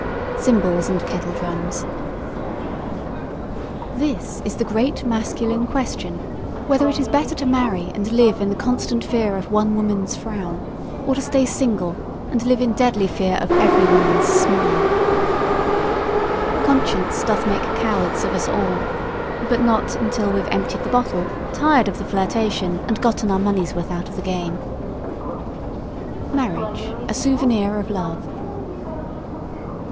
CYMBALS AND KETTLE DRUMS THIS is the great masculine question: Whether it is better to marry and live in the constant fear of one woman's frown or to stay single and live in deadly fear of every woman's smile. "Conscience doth make cowards of us all" but not until we've emptied the bottle, tired of the flirtation and gotten our money's worth out of the game. Marriage A souvenir of love.